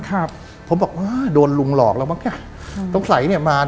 ครับผมบอกอ้าวโดนลุงหลอกแล้วบ้างเนี่ยต้องใส่เนี่ยมา